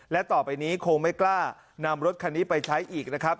และต่อไปนี้คงไม่กล้านำรถคันนี้ไปใช้อีกนะครับ